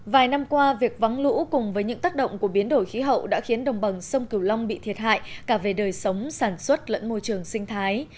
vài năm qua việc vắng lũ cùng với những tác động của biến đổi khí hậu đã khiến đồng bằng sông cửu long bị thiệt hại cả về đời sống sản xuất lẫn môi trường sinh thái